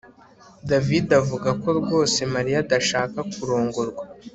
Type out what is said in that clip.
davide avuga ko rwose mariya adashaka kurongorwa